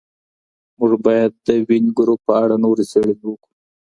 موږ باید د دویني ګروپ په اړه نورې څېړنې وکړو.